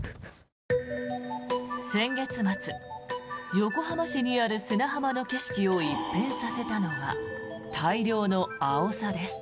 先月末、横浜市にある砂浜の景色を一変させたのは大量のアオサです。